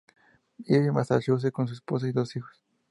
Vive en Massachusetts con su esposa y dos hijos.